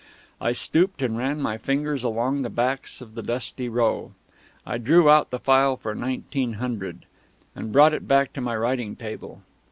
I stooped and ran my fingers along the backs of the dusty row. I drew out the file for 1900, and brought it back to my writing table.